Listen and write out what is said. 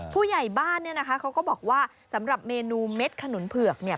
ผู้ใหญ่บ้านเนี่ยนะคะเขาก็บอกว่าสำหรับเมนูเม็ดขนุนเผือกเนี่ย